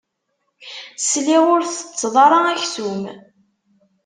Sliɣ ur tettetteḍ ara aksum.